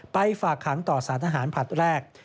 ฝากขังต่อสารทหารผลัดแรก